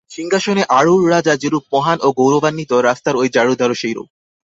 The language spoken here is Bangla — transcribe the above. সিংহাসনে আরূঢ় রাজা যেরূপ মহান ও গৌরবান্বিত, রাস্তার ঐ ঝাড়ুদারও সেইরূপ।